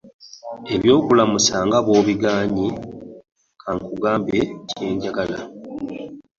Eby’okulamusa nga bw’obigaanyi, ka nkugambe kye njagala.